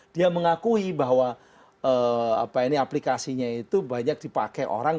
dia mengakui bahwa aplikasinya itu banyak dipakai orang